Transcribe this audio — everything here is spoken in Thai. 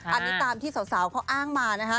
อันนี้ตามที่สาวเขาอ้างมานะคะ